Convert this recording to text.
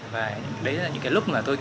và đấy là những cái lúc mà tôi thích